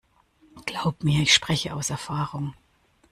Glaub mir, ich spreche aus Erfahrung.